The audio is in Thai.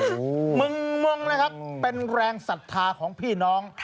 โอ้โหมึงงนะครับเป็นแรงศรัทธาของพี่น้อง